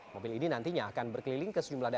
mobil ini nantinya akan berkeliling ke sejumlah daerah